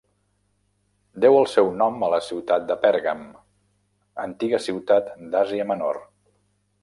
Deu el seu nom a la ciutat de Pèrgam, antiga ciutat d'Àsia Menor.